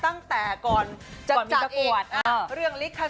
ตั้งแต่ก่อนอาจจะอยู่ตั้งแต่เรื่องลิศภาษณ์